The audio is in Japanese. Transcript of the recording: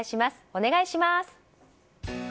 お願いします！